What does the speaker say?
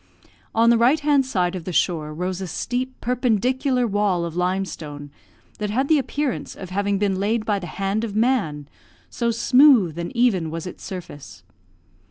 On the right hand side of the shore rose a steep, perpendicular wall of limestone, that had the appearance of having been laid by the hand of man, so smooth and even was its surface.